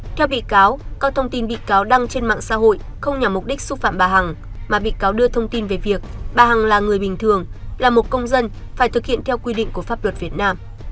theo bị cáo các thông tin bị cáo đăng trên mạng xã hội không nhằm mục đích xúc phạm bà hằng mà bị cáo đưa thông tin về việc bà hằng là người bình thường là một công dân phải thực hiện theo quy định của pháp luật việt nam